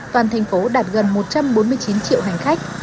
toàn thành phố đạt gần một trăm bốn mươi chín triệu hành khách